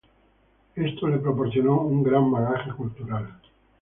Esto le proporcionó un gran bagaje cultural.